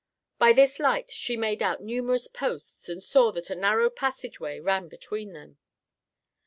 By this light she made out numerous posts and saw that a narrow passage way ran between them.